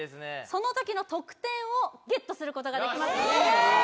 その時の得点をゲットすることができますえー！